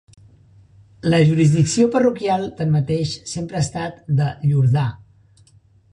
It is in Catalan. La jurisdicció parroquial, tanmateix, sempre ha estat de Llordà.